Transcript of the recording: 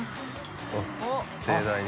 わっ盛大に。